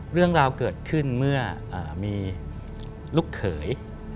เรื่องราวเกิดขึ้นเมื่อมีลูกเขย